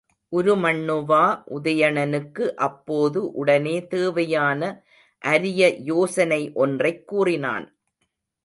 உருமண்ணுவா உதயணனுக்கு அப்போது உடனே தேவையான அரிய யோசனை ஒன்றைக் கூறினான்.